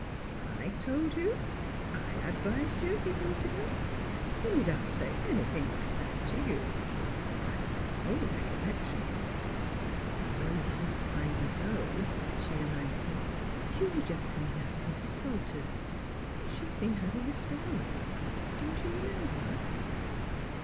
" I told you — I advised you? " he blurted out. *' When did I say anything like that — to you? I have no recollection "'' A long time ago," she reminded him. " You were just coming out of Mrs. Salter's. She'd been having a spell; don't you remember?